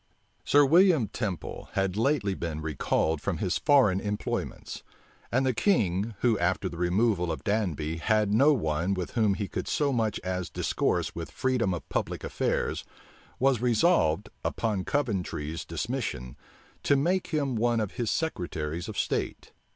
Sir William Temple had lately been recalled from his foreign employments; and the king, who, after the removal of Danby, had no one with whom he could so much as discourse with freedom of public affairs, was resolved, upon Coventry's dismission, to make him one of his secretaries of state.